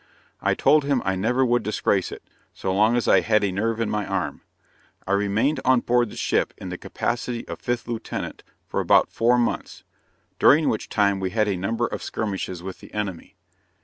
I told him I never would disgrace it, so long as I had a nerve in my arm. I remained on board the ship in the capacity of 5th Lieutenant, for about four months, during which time we had a number of skirmishes with the enemy.